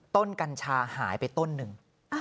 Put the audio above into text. กัญชาหายไปต้นหนึ่ง